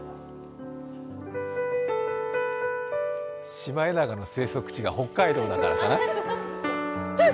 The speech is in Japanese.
シマエナガの生息地が北海道だからかな。